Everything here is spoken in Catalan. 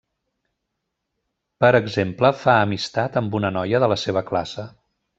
Per exemple, fa amistat amb una noia de la seva classe.